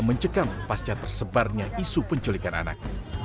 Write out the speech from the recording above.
mencekam pasca tersebarnya isu penculikan anak